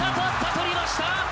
とりました！